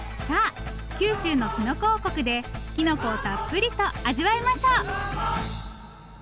さあ九州のきのこ王国できのこをたっぷりと味わいましょう！